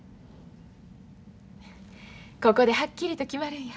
ここではっきりと決まるんや。